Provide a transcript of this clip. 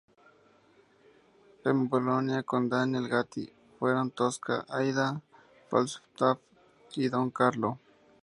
En Bolonia con Daniele Gatti fueron "Tosca", "Aida", "Falstaff" y "Don Carlo".